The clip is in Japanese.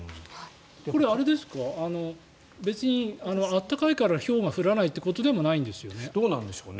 これ、別に暖かいからひょうが降らないってことでもないんですよね？